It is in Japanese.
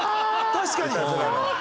確かに。